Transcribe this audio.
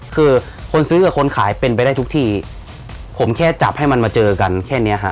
คือคนซื้อกับคนขายเป็นไปได้ทุกทีผมแค่จับให้มันมาเจอกันแค่เนี้ยฮะ